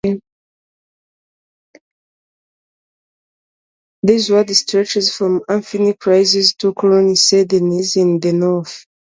This ward stretches from Ampney Crucis to Coln Saint Dennis in the north.